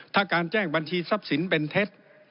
ถ้าการแจ้งบัญชีทรัพย์สินเป็นเท็จ